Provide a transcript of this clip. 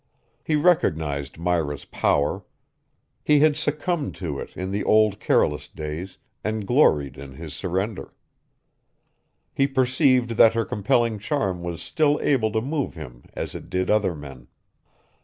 He recognized Myra's power. He had succumbed to it in the old careless days and gloried in his surrender. He perceived that her compelling charm was still able to move him as it did other men.